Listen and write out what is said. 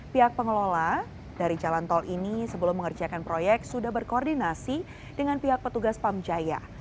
pihak pengelola dari jalan tol ini sebelum mengerjakan proyek sudah berkoordinasi dengan pihak petugas pamjaya